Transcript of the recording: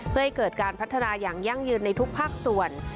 เพื่อให้เกิดการพัฒนาอย่างยั่งยืนในทุกภาคส่วน